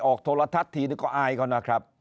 โทรทัศน์ทีนึงก็อายเขานะครับ